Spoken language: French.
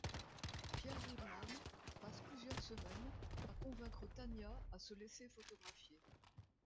Pierre Woodman passe plusieurs semaines à convaincre Tania à se laisser photographier.